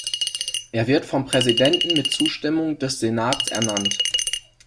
Er wird vom Präsidenten mit Zustimmung des Senats ernannt.